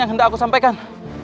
yang ingin aku sampaikan